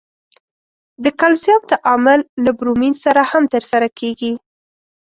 د کلسیم تعامل له برومین سره هم ترسره کیږي.